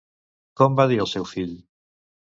Com van dir al seu fill?